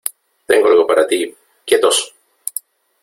Tengo algo para ti .¡ quietos !